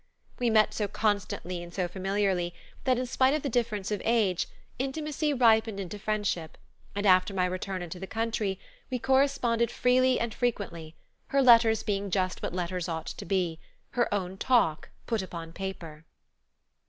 We met so constantly and so familiarly that, in spite of the difference of age, intimacy ripened into friendship, and after my return into the country, we corresponded freely and frequently, her letters being just what letters ought to be, her own talk put upon paper."